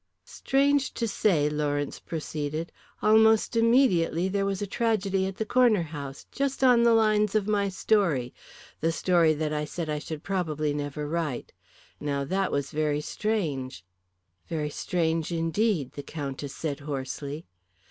"Strange to say," Lawrence proceeded, "almost immediately there was a tragedy at the Corner House, just on the lines of my story the story that I said I should probably never write. Now that was very strange." "Very strange indeed," the Countess said hoarsely.